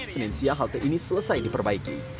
senin siang halte ini selesai diperbaiki